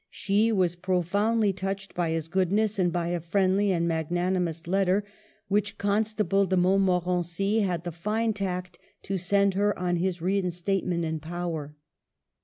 She was profoundly touched by his goodness, and by a friendly and magnani mous letter which Constable De Montmorency had the fine tact to send her on his reinstate ment in power.